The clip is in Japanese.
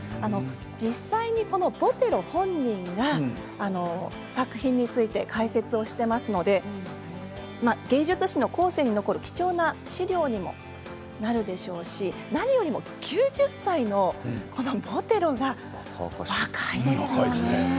実際にボテロ本人が作品について解説をしていますので芸術史の後世に残る貴重な資料にもなるでしょうし何よりも９０歳のこのボテロが若いですよね。